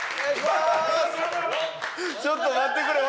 ちょっと待ってくれ。